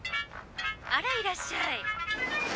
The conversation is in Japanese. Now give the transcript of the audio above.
あらいらっしゃい。